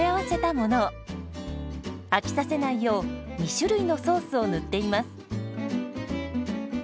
飽きさせないよう２種類のソースを塗っています。